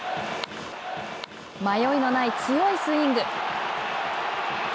迷いのない強いスイング。